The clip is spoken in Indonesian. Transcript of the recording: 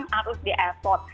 kita harus di airport